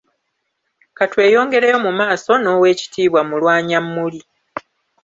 Ka tweyongereyo mu maaso n’Oweekitiibwa Mulwanyammuli.